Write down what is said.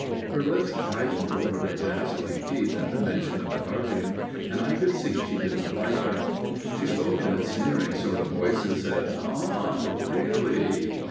Her lips tightened over her dazzling teeth at the mention of the guardian, and I could see she didn't like him. She spoke in a sneering sort of voice and said: "Ah! Really?"